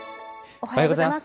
おはようございます。